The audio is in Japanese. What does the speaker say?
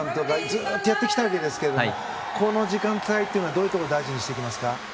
ずっとやってきたわけですがこの時間帯というのはどういうところを大事にしていきますか？